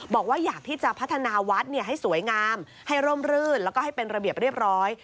บอกว่าอยากที่จะพัฒนาวัดให้สวยงามให้ร่มรื่นแล้วก็ให้เป็นระเบียบเรียบร้อย